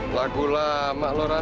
lagulah mak loran